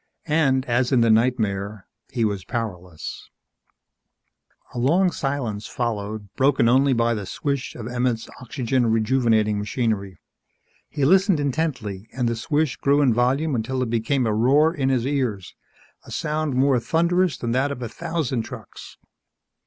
And, as in the nightmare, he was powerless ...A long silence followed broken only by the swish of Emmett's oxygen rejuvenating machinery. He listened intently and the swish grew in volume until it became a roar in his ears a sound more thunderous than that of a thousand trucks.